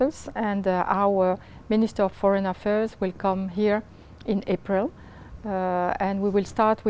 văn hóa để gửi